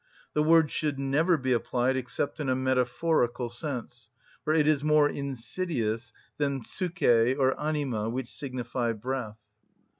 The word should never be applied except in a metaphorical sense, for it is much more insidious than ψυχη or anima, which signify breath.